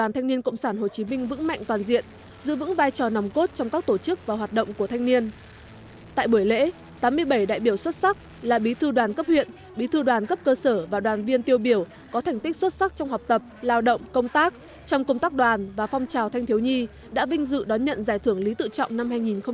tại buổi lễ tám mươi bảy đại biểu xuất sắc là bí thư đoàn cấp huyện bí thư đoàn cấp cơ sở và đoàn viên tiêu biểu có thành tích xuất sắc trong học tập lao động công tác trong công tác đoàn và phong trào thanh thiếu nhi đã vinh dự đón nhận giải thưởng lý tự trọng năm hai nghìn một mươi chín